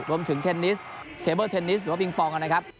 รวมถึงเทนิสเทเบอร์เทนิสหรือว่าบิงปองกันนะครับ